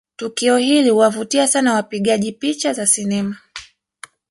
Tukio hili huwavutia sana wapigaji picha za sinema